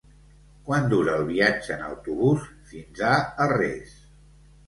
Quant dura el viatge en autobús fins a Arres?